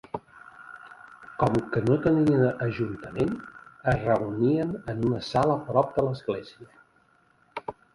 Com que no tenien ajuntament, es reunien en una sala prop de l'església.